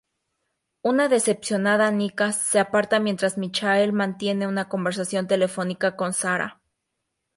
Una decepcionada Nika se aparta mientras Michael mantiene una conversación telefónica con Sara.